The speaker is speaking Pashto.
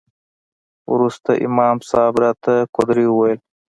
وروسته امام صاحب راته قدوري وويل.